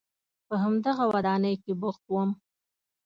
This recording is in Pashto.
په همدغه ودانۍ کې بوخت وم.